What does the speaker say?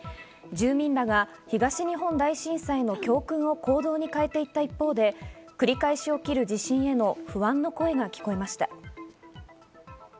住民らが東日本大震災の教訓を生かしていた一方で、繰り返し起きる地震への不安の声が聞こえました。